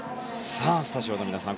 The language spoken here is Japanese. スタジオの皆さん